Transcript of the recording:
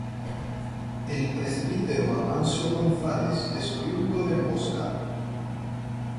El presbítero Amancio González, es oriundo de Emboscada.